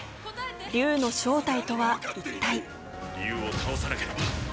竜の正体とは一体。